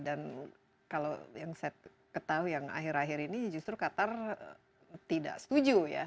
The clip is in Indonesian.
dan kalau yang saya ketahui yang akhir akhir ini justru qatar tidak setuju ya